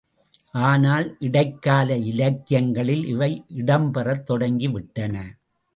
ஆனால், இடைக்கால இலக்கியங்களில் இவை இடம்பெறத் தொடங்கிவிட்டன.